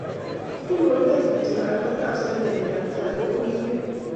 kingo geer kityo lakwetab sengenyu daktari koki iywei